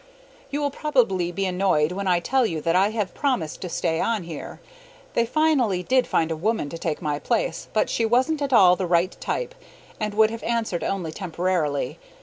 You will probably be annoyed when I tell you that I have promised to stay on here. They finally did find a woman to take my place, but she wasn't at all the right type and would have answered only temporarily.